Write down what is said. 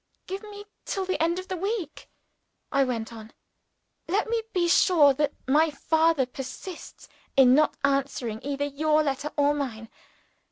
"Give me till the end of the week," I went on. "Let me be sure that my father persists in not answering either your letter or mine.